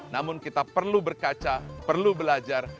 namun kita perlu berkaca perlu belajar